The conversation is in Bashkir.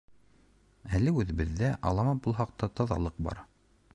Әле үҙебеҙҙә, алама булһаҡ та, таҙалыҡ бар.